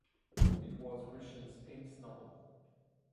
It was Grisham's eighth novel.